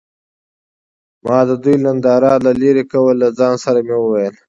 ما د دوي ننداره له لرې کوه له ځان سره مې وويل.